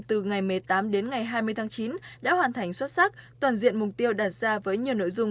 từ ngày một mươi tám đến ngày hai mươi tháng chín đã hoàn thành xuất sắc toàn diện mục tiêu đạt ra với nhiều nội dung